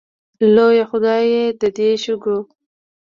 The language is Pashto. لویه خدایه د دې شګو